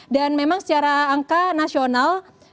dan memang secara angka nasional